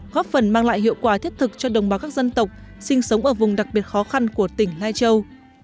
góp phần mang lại hiệu quả thiết thực cho đồng bào các dân tộc sinh sống ở vùng đặc biệt khó khăn của tỉnh lai châu